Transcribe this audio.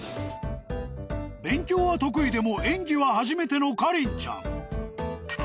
勉強は得意でも演技は初めてのかりんちゃん